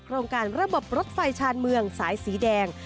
โครงการระบบรถไฟชาญเมืองสายสีแดง